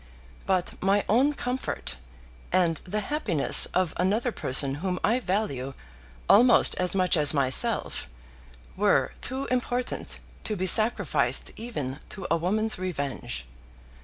But my own comfort, and the happiness of another person whom I value almost as much as myself, were too important to be sacrificed even to a woman's revenge.